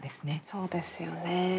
そうですよね。